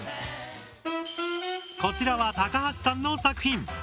こちらは高橋さんの作品。